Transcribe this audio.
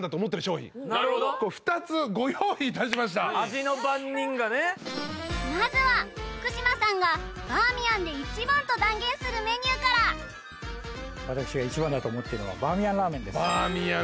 味の番人がねまずは福島さんがバーミヤンで一番と断言するメニューから私が一番だと思っているのはバーミヤンラーメンですバーミヤン